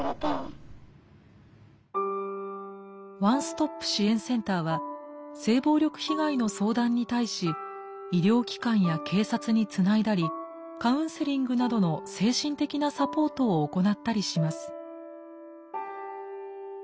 ワンストップ支援センターは性暴力被害の相談に対し医療機関や警察につないだりカウンセリングなどの精神的なサポートを行ったりします。